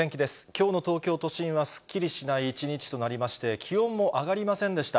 きょうの東京都心は、すっきりしない一日となりまして、気温も上がりませんでした。